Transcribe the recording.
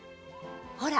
ほら！